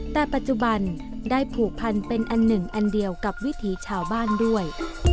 แต่ปัจจุบันได้ผูกพันเป็นอันหนึ่งอันเดียวกับวิถีชาวบ้านด้วย